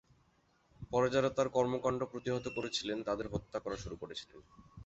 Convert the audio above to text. পরে যারা তাঁর কর্মকাণ্ড প্রতিহত করেছিলেন তাদের হত্যা করা শুরু করেছিলেন।